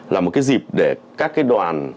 là một cái dịp để các đoàn